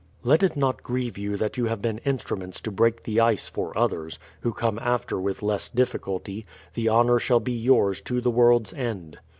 Let it not grieve you that you have been instruments to break the ice for others, who come after with less difficulty; the honour shall be yours to the world's end.